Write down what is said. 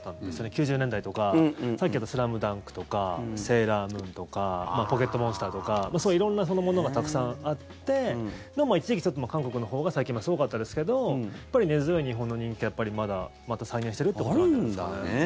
９０年代とか、さっきやった「ＳＬＡＭＤＵＮＫ」とか「セーラームーン」とか「ポケットモンスター」とかそういう色んなものがたくさんあってでも一時期、韓国のほうが最近すごかったですけどやっぱり根強い日本の人気がまた再燃してるってことなんじゃないですかね。